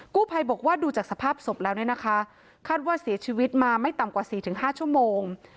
ภัยบอกว่าดูจากสภาพศพแล้วเนี่ยนะคะคาดว่าเสียชีวิตมาไม่ต่ำกว่า๔๕ชั่วโมง